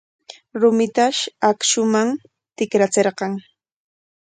Rumitash akshuman tikrachirqan.